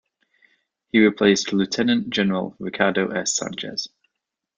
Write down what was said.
He replaced Lieutenant General Ricardo S. Sanchez.